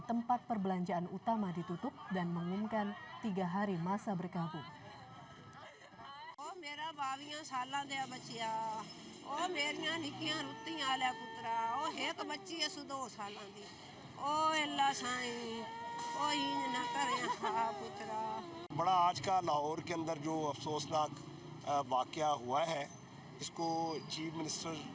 tempat perbelanjaan utama ditutup dan mengumumkan tiga hari masa berkabut